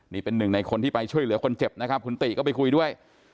นี่เป็นหนึ่งในคนที่ไปช่วยเหลือคนเจ็บนะครับคุณติก็ไปคุยด้วย